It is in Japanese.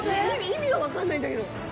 意味が分かんないんだけど。